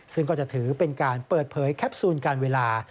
ซึ่งก็จะถือเป็นการเปิดเผยแคปซูลการเวลา